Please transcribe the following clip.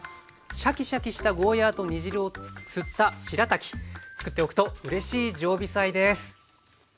シャキシャキしたゴーヤーと煮汁を吸ったしらたきつくっておくとうれしい常備菜です。